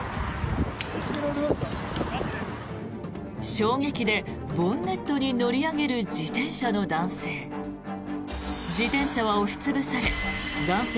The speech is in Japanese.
衝撃でボンネットに乗り上げる自転車の男性。